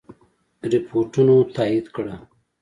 رپوټونو تایید کړه.